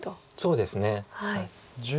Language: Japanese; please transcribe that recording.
そうですね。